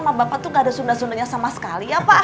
sama bapak tuh gak ada sunda sundanya sama sekali ya pak